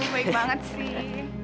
baik banget sih